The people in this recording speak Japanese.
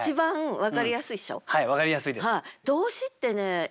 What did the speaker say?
はい分かりやすいです。